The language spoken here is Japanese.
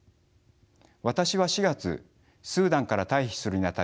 私は４月スーダンから退避するにあたり